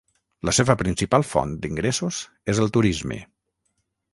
La seva principal font d'ingressos és el turisme.